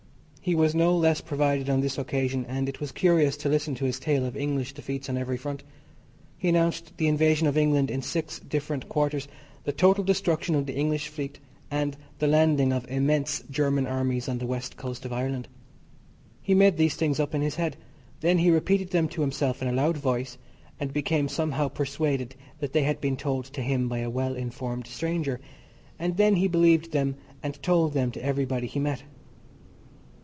He was no less provided on this occasion, and it was curious to listen to his tale of English defeats on every front. He announced the invasion of England in six different quarters, the total destruction of the English fleet, and the landing of immense German armies on the West coast of Ireland. He made these things up in his head. Then he repeated them to himself in a loud voice, and became somehow persuaded that they had been told to him by a well informed stranger, and then he believed them and told them to everybody he met.